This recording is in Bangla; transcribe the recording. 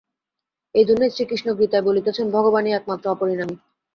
এইজন্যই শ্রীকৃষ্ণ গীতায় বলিতেছেন, ভগবানই একমাত্র অপরিণামী।